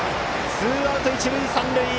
ツーアウト、一塁三塁。